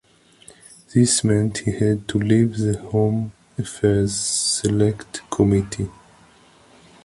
This meant he had to leave the Home Affairs Select Committee.